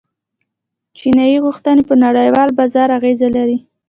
چیني غوښتنې په نړیوال بازار اغیز لري.